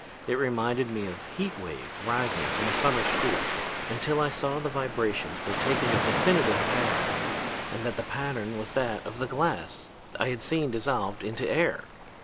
It reminded me of heat waves rising from a summer street, until I saw the vibrations were taking a definite pattern; and that the pattern was that of the glass I had seen dissolved into air.